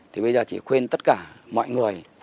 thì bây giờ chỉ khuyên tất cả mọi người